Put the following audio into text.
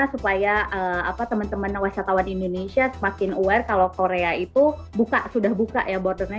supaya teman teman wisatawan indonesia semakin aware kalau korea itu sudah buka ya bordernya